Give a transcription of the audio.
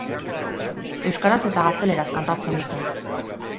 Euskaraz eta gazteleraz kantatzen dute.